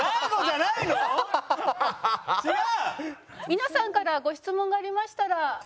皆さんからご質問がありましたら。